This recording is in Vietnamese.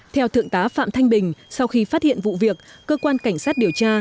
theo thượng tá phạm thanh bình sau khi phát hiện vụ việc cơ quan cảnh sát điều tra